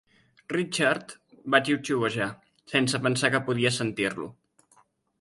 Richard va xiuxiuejar, sense pensar que podia sentir-lo.